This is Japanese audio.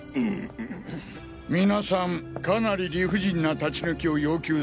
皆さんかなり理不尽な立ち退きを要求されていたようですし